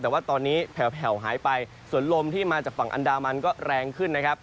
แต่ว่าตอนนี้แผลวหายไปส่วนลมที่มาจากฝั่งอันดามันก็แรงขึ้นนะครับ